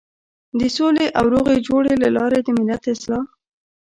د سولې او روغې جوړې له لارې د ملت اصلاح.